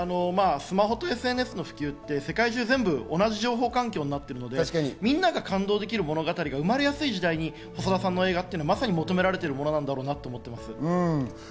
スマホとＳＮＳの普及って世界中、同じ情報環境になっているので、みんなが感動できる物語が生まれやすい時代に、細田さんの作品が求められているものになっているんだと思います。